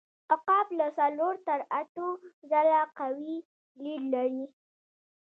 عقاب له څلور تر اتو ځله قوي لید لري.